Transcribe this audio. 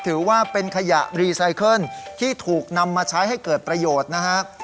ถือว่าเป็นขยะรีไซเคิลที่ถูกนำมาใช้ให้เกิดประโยชน์นะฮะ